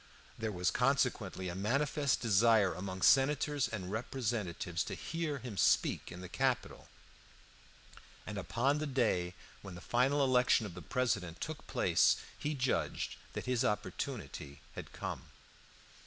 There was consequently a manifest desire among senators and representatives to hear him speak in the Capitol, and upon the day when the final election of the President took place he judged that his opportunity had come.